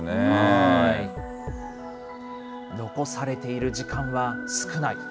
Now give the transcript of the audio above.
残されている時間は少ない。